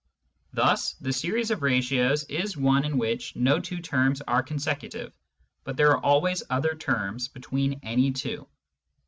Thus the series of ratios is one in which no two terms are consecutive, but there are always other terms between any two.